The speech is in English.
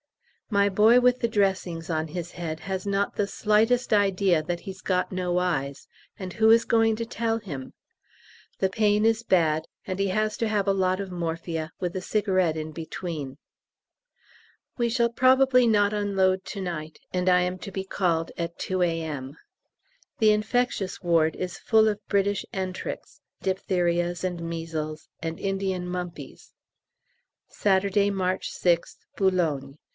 My boy with the dressings on his head has not the slightest idea that he's got no eyes, and who is going to tell him? The pain is bad, and he has to have a lot of morphia, with a cigarette in between. We shall probably not unload to night, and I am to be called at 2 A.M. The infectious ward is full with British enterics, dips., and measles, and Indian mumpies. _Saturday, March 6th, Boulogne.